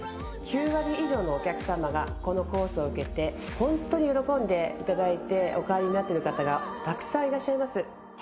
９割以上のお客様がこのコースを受けてホントに喜んでいただいてお帰りになってる方がたくさんいらっしゃいます